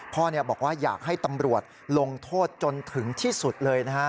พ่อบอกว่าอยากให้ตำรวจลงโทษจนถึงที่สุดเลยนะฮะ